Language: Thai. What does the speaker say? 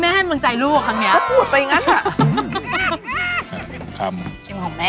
แม่ให้มันใจลูกกว่าครั้งนี้